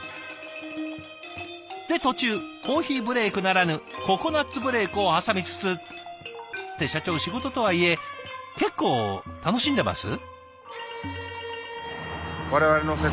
で途中コーヒーブレークならぬココナツブレークを挟みつつ。って社長仕事とはいえ結構楽しんでます？